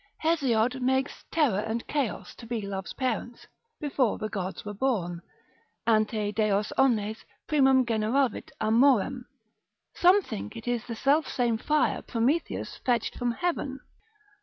Hesiod makes Terra and Chaos to be Love's parents, before the Gods were born: Ante deos omnes primum generavit amorem. Some think it is the self same fire Prometheus fetched from heaven.